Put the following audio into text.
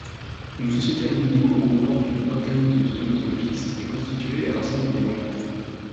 Une société anonyme, regroupant une vingtaine de stomatologistes, est constituée et rassemble des moyens.